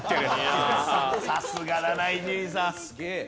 さすがだな伊集院さん。